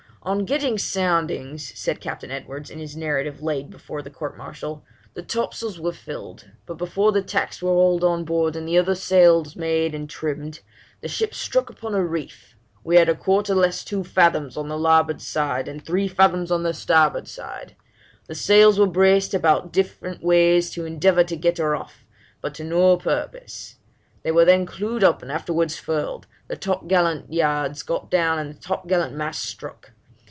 'On getting soundings,' says Captain Edwards, in his narrative laid before the court martial, 'the topsails were filled; but before the tacks were hauled on board and other sail made and trimmed, the ship struck upon a reef; we had a quarter less two fathoms on the larboard side, and three fathoms on the starboard side; the sails were braced about different ways to endeavour to get her off, but to no purpose; they were then clewed up and afterwards furled, the top gallant yards got down and the top gallant masts struck.